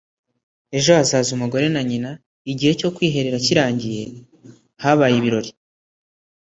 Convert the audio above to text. ejo hazaza umugore na nyina. igihe cyo kwiherera kirangiye, habaye ibirori